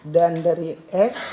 dan dari s